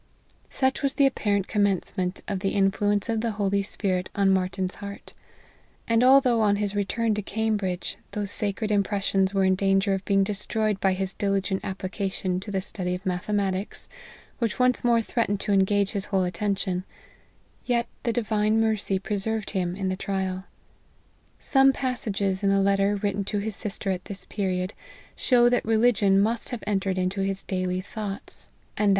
Such was the apparent commencement of the influence of the Holy Spirit on Martyn's heart ; and although on his return to Cambridge, those sacred impressions were in danger of being destroyed by his diligent application to the study of mathematics, which once more threatened to engage his whole attention, yet the divine mercy preserved him in the trial. Some passages in a letter written to his sister at this period, show that religion must have entered into his daily thoughts, and that 12 LIFE OF HENRY MARTYN.